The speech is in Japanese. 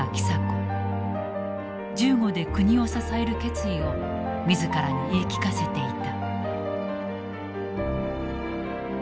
銃後で国を支える決意を自らに言い聞かせていた。